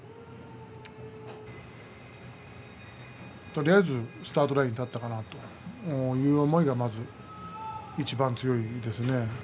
とりあえずスタートラインに立ったかなという思いがまずいちばん強いですね。